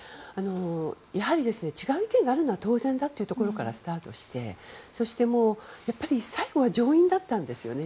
やはり違う意見があるのは当然だというところからスタートしてそして、最後は上院だったんですよね。